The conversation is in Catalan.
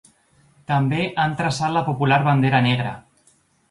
També han traçat la popular bandera negra.